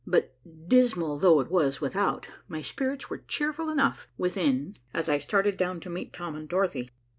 But dismal though it was without, my spirits were cheerful enough within as I started down to meet Tom and Dorothy.